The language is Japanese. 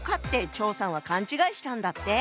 張さんは勘違いしたんだって。